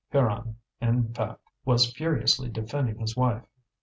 Pierron, in fact, was furiously defending his wife.